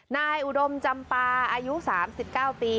นายอุดมจำปาอายุ๓๙ปี